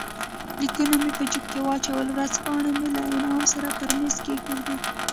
لیکونه مې په جېب کې واچول، ورځپاڼې مې له انعام سره پر مېز کښېښودې.